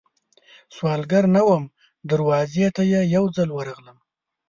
سوالګره نه وم، دروازې ته یې یوځل ورغلم